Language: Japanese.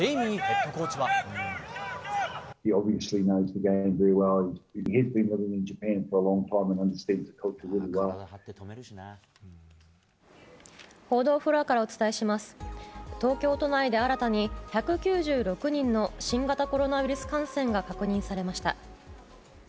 東京都内で新たに１９６人の新型コロナウイルス感染が確認されました。